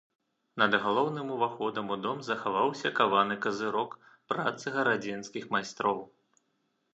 Над галоўным уваходам у дом захаваўся каваны казырок працы гарадзенскіх майстроў.